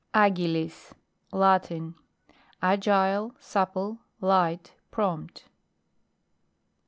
AGILIS. Latin. Agile, supply light, prompt.